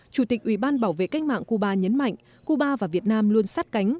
chủ tịch ủy ban bảo vệ cách mạng cuba nhấn mạnh cuba và việt nam luôn sát cánh